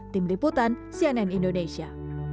tim liputan cnn indonesia